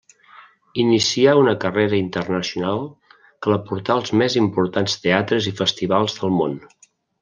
Inicià una carrera internacional que la portà als més importants teatres i festivals del món.